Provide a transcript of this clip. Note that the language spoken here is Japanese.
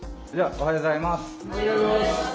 おはようございます。